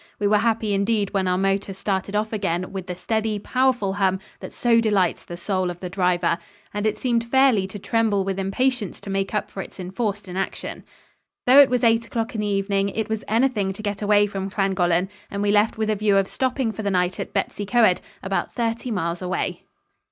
We were happy indeed when our motor started off again with the steady, powerful hum that so delights the soul of the driver, and it seemed fairly to tremble with impatience to make up for its enforced inaction. Though it was eight o'clock in the evening, it was anything to get away from Llangollen, and we left with a view of stopping for the night at Bettws y Coed, about thirty miles away.